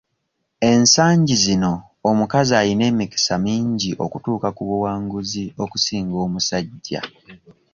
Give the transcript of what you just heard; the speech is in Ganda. Ensangi zino omukazi ayina emikisa mingi okutuuka ku buwanguzi okusinga omusajja.